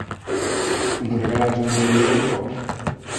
É como regalarlle un moedeiro a un pobre.